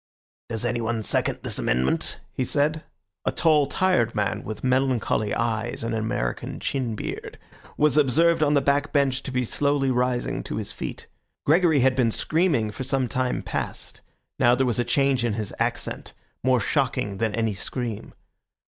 "Does anyone second this amendment?" he said. A tall, tired man, with melancholy eyes and an American chin beard, was observed on the back bench to be slowly rising to his feet. Gregory had been screaming for some time past; now there was a change in his accent, more shocking than any scream.